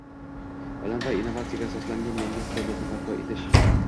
Ilm va innovatsiyaga asoslangan yangi iqtisodiyotni barpo etish